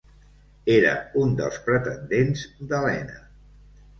Era un dels pretendents d'Helena.